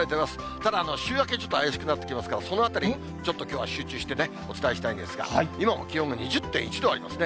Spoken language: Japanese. ただ、週明けちょっと怪しくなってきますから、そのあたり、ちょっときょうは集中してお伝えしたいんですが、今も気温が２０．１度ありますね。